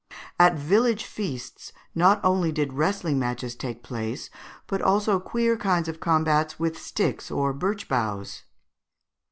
At village feasts not only did wrestling matches take place, but also queer kinds of combats with sticks or birch boughs.